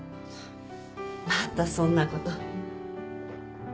またそんなこと。